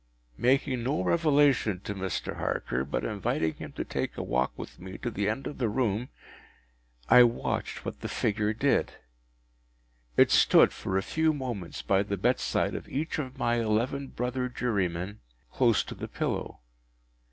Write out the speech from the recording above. ” Making no revelation to Mr. Harker, but inviting him to take a walk with me to the end of the room, I watched what the figure did. It stood for a few moments by the bedside of each of my eleven brother jurymen, close to the pillow.